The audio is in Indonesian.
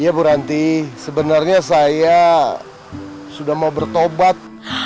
iya puranti sebenarnya saya sudah mau bertobat